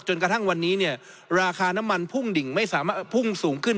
จนกระทั่งวันนี้ราคาน้ำมันพุ่งสูงขึ้น